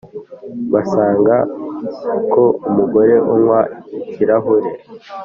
Basanga ko umugore unywa ikirahure